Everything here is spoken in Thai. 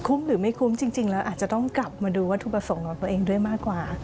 หรือไม่คุ้มจริงแล้วอาจจะต้องกลับมาดูวัตถุประสงค์ของตัวเองด้วยมากกว่า